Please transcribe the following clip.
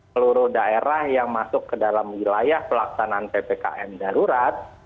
seluruh daerah yang masuk ke dalam wilayah pelaksanaan ppkm darurat